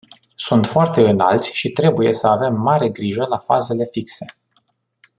Sunt foarte înalți și trebuie să avem mare grijă la fazele fixe.